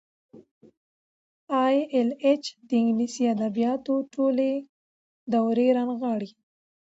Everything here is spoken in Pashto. ای ایل ایچ د انګلیسي ادبیاتو ټولې دورې رانغاړي.